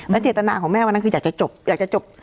แล้วเจตนาของแม่วันนั้นคืออยากจะจบ